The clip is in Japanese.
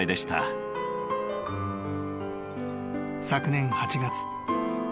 ［昨年８月］